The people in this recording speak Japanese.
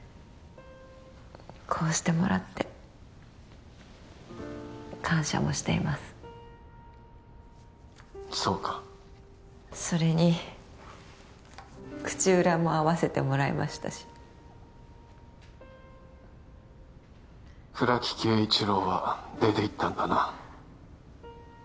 こうしてもらって感謝もしていますそうかそれに口裏も合わせてもらいましたし倉木恵一郎は出ていったんだな